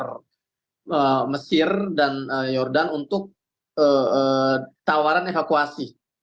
kedutaan besar mesir dan jordan untuk tawaran evakuasi